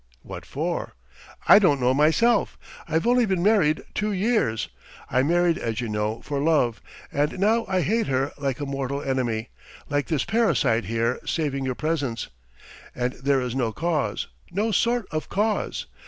"What for?" "I don't know myself! I've only been married two years. I married as you know for love, and now I hate her like a mortal enemy, like this parasite here, saving your presence. And there is no cause, no sort of cause!